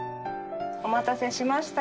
お待たせしました。